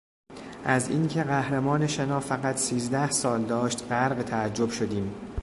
از این که قهرمان شنا فقط سیزده سال داشت غرق تعجب شدیم.